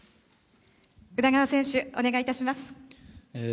宇田川選手、お願いいたします。